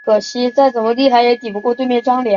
初中就读于强恕中学。